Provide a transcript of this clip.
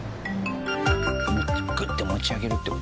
グッて持ち上げるって事？